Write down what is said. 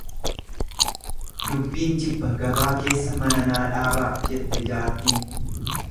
Dubbiin jibba gabaa keessa mana naa dhaabaa jette jaartin.